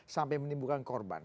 sampai menimbulkan korban